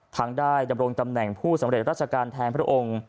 ได้ดำรงตำแหน่งผู้สำเร็จราชการแทนพระองค์